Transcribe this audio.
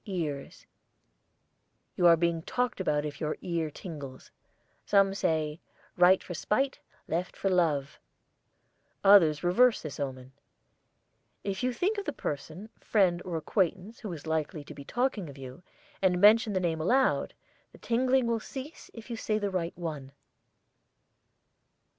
EARS. You are being talked about if your ear tingles. Some say, "right for spite, left for love." Others reverse this omen. If you think of the person, friend, or acquaintance who is likely to be talking of you, and mention the name aloud, the tingling will cease if you say the right one.